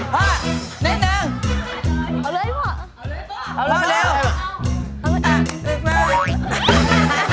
พ่อในแดง